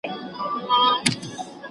ستا د قبر شنختي دواړي سترګي پر ګنډلي شې